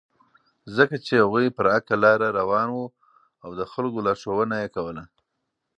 ځکه چې هغوی پر حقه لاره روان وو او د خلکو لارښوونه یې کوله.